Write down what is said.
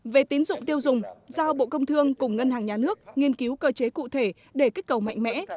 về tín dụng tiêu dùng giao bộ công thương cùng ngân hàng nhà nước nghiên cứu cơ chế cụ thể để kích cầu mạnh mẽ